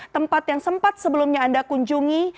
tempat yang sempat sebelumnya anda kunjungi